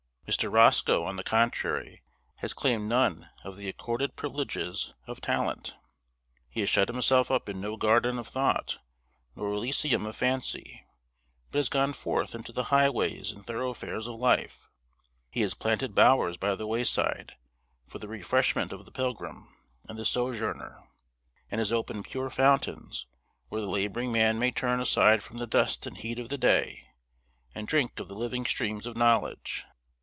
Mr. Roscoe, on the contrary, has claimed none of the accorded privileges of talent. He has shut himself up in no garden of thought, nor elysium of fancy; but has gone forth into the highways and thoroughfares of life, he has planted bowers by the wayside, for the refreshment of the pilgrim and the sojourner, and has opened pure fountains, where the laboring man may turn aside from the dust and heat of the day, and drink of the living streams of knowledge.